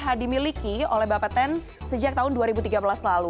sudah dimiliki oleh bapak ten sejak tahun dua ribu tiga belas lalu